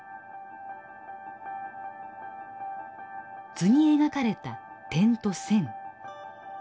図に描かれた点と線。